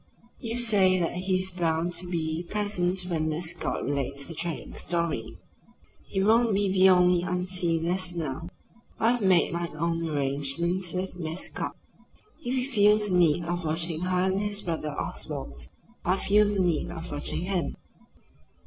You say that he is bound to be present when Miss Scott relates her tragic story. He won't be the only unseen listener. I've made my own arrangements with Miss Scott. If he feels the need of watching her and his brother Oswald, I feel the need of watching him."